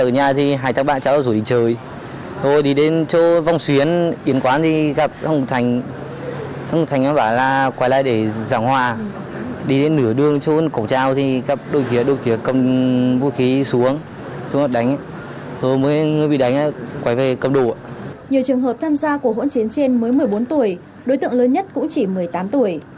nhiều trường hợp tham gia của hỗn chiến trên mới một mươi bốn tuổi đối tượng lớn nhất cũng chỉ một mươi tám tuổi